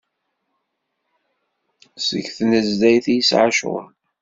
Seg tnezzayt i yesɛa ccɣel.